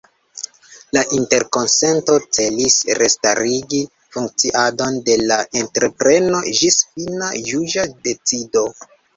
La interkonsento celis restarigi funkciadon de la entrepreno ĝis fina juĝa decido.